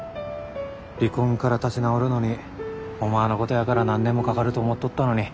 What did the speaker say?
離婚から立ち直るのにお前のことやから何年もかかると思っとったのに。